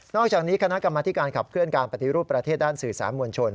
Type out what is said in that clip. อกจากนี้คณะกรรมธิการขับเคลื่อนการปฏิรูปประเทศด้านสื่อสารมวลชน